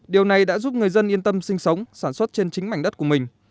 điều này đã giúp người dân yên tâm sinh sống sản xuất trên chính mảnh đất của mình